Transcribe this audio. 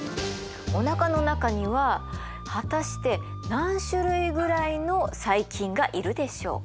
おなかの中には果たして何種類ぐらいの細菌がいるでしょうか？